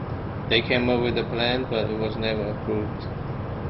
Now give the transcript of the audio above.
They came up with a plan but it was never approved.